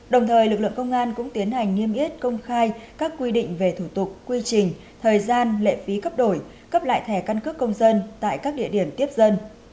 đồng thời lực lượng công an cũng tiến hành niêm yết công khai các quy định về thủ tục quy trình thời gian lệ phí cấp đổi cấp lại thẻ căn cước công dân tại các địa điểm tiếp dân